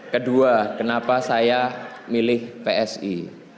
kedua kenapa saya milih psi